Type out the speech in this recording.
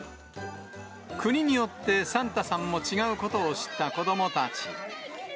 国によって、サンタさんも違うことを知った子どもたち。